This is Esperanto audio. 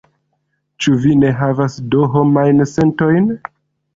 Ĉu vi ne havas do homajn sentojn?